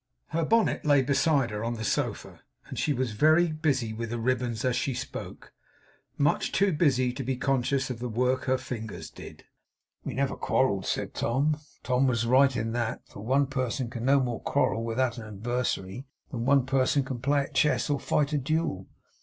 Her bonnet lay beside her on the sofa, and she was very busy with the ribbons as she spoke. Much too busy to be conscious of the work her fingers did. 'We never quarrelled,' said Tom. Tom was right in that, for one person can no more quarrel without an adversary, than one person can play at chess, or fight a duel.